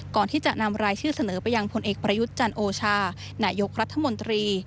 ก่อนที่จะนำรายชื่อเสนอไปยังพลเอกประยุทธ์จันโอชานายกรัฐมนตรี